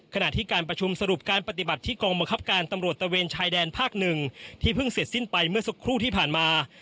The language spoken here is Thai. ขณะที่การประชุมสรุปการปฏิบัติที่กองบังคับการตำรวจตะเวนชายแดนภาคหนึ่งที่เพิ่งเสร็จสิ้นไปเมื่อสักครู่ที่ผ่านมา